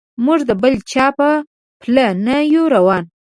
موږ د بل چا په پله نه یو روان.